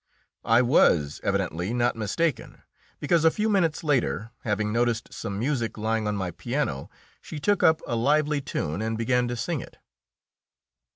I was evidently not mistaken, because a few minutes later, having noticed some music lying on my piano, she took up a lively tune and began to sing it.